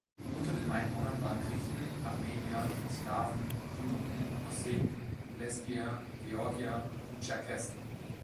Unter den Einwohnern waren Griechen, Armenier, Slawen, Juden, Osseten, Lesgier, Georgier und Tscherkessen.